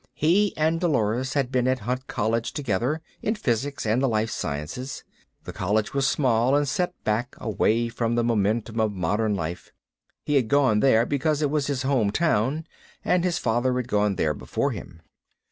He and Dolores had been at Hunt College together, in physics and the life sciences. The College was small and set back away from the momentum of modern life. He had gone there because it was his home town, and his father had gone there before him.